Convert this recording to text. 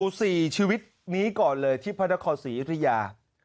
หนูดูสิชีวิตนี้ก่อนเลยที่พระราคฯศรีธรรยา